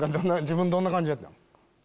自分どんな感じやったん？